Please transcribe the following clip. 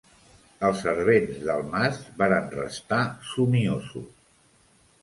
Els servents del Mas varen restar somiosos